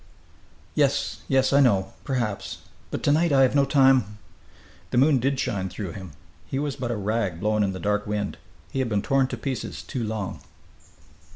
"Yes, yes I know perhaps but to night I have no time " The moon did shine through him. He was but a rag blown in the dark wind. He had been torn to pieces too long.